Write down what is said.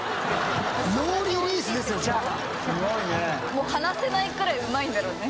もう離せないくらいうまいんだろうね。